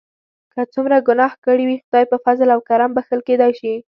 که څومره ګناه کړي وي خدای په فضل او کرم بښل کیدای شي.